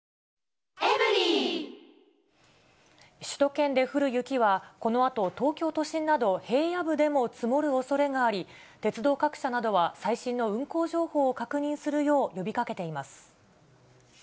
首都圏で降る雪は、このあと、東京都心など平野部でも積もるおそれがあり、鉄道各社などは最新の運行情報を確認するよう呼びかけています。